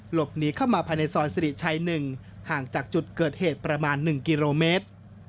หลบหนีเข้ามาภายในซอยสิริชัย๑ห่างจากจุดเกิดเหตุประมาณ๑กิโลเมตร